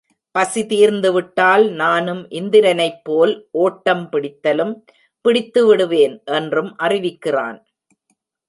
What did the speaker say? பசி தீர்ந்துவிட்டால், நானும் இந்திரனைப்போல் ஓட்டம் பிடித்தலும் பிடித்துவிடுவேன்! என்றும் அறிவிக்கிறான்.